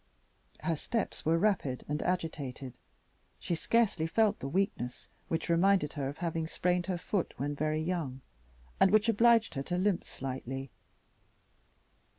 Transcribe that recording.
Her steps were rapid and agitated; she scarcely felt the weakness which reminded her of having sprained her foot when very young, and which obliged her to limp slightly.